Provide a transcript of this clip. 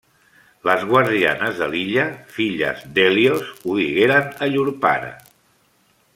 Les guardianes de l'illa, filles d'Hèlios, ho digueren a llur pare.